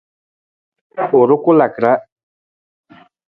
U rukulaka ra.